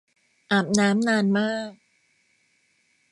อาบน้ำนานมาก